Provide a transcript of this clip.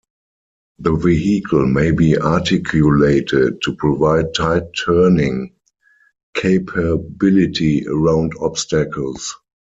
The vehicle may be articulated to provide tight turning capability around obstacles.